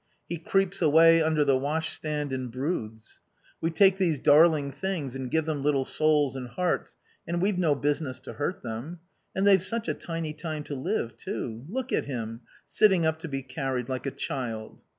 He creeps away under the washstand and broods. We take these darling things and give them little souls and hearts, and we've no business to hurt them. And they've such a tiny time to live, too... Look at him, sitting up to be carried, like a child."